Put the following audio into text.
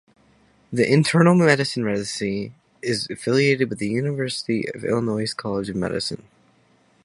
The internal medicine residency is affiliated with the University of Illinois College of Medicine.